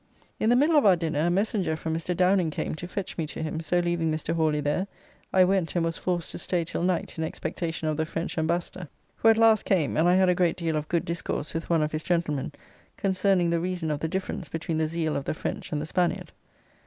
In the middle of our dinner a messenger from Mr. Downing came to fetch me to him, so leaving Mr. Hawly there, I went and was forced to stay till night in expectation of the French Embassador, who at last came, and I had a great deal of good discourse with one of his gentlemen concerning the reason of the difference between the zeal of the French and the Spaniard.